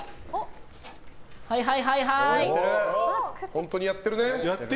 本当にやってるね。